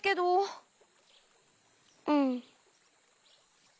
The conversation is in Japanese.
うん。